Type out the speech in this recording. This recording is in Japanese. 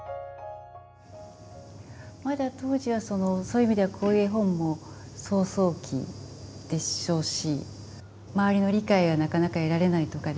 まだ当時はそういう意味ではこういう絵本も草創期でしょうし周りの理解がなかなか得られないとかですね。